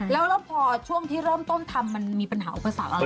แล้วพอช่วงที่เริ่มต้นทำมันมีปัญหาอุปสรรคอะไร